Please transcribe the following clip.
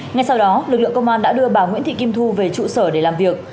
ngay sau đó lực lượng công an đã đưa bà nguyễn thị kim thu về trụ sở để làm việc